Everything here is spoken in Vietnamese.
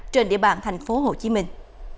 trên địa bàn thành phố hồ chí minh